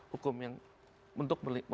hukum yang untuk